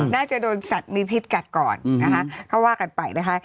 น่าจะโดนสัตว์มีพิษกัดก่อนนะคะก็ว่ากันไปนะคะ